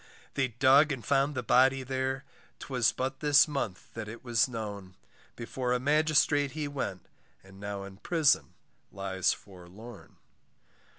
They dug and found the body there, 'Twas but this month that it was known. Before a magistrate he went, And now in prison lies forlorn.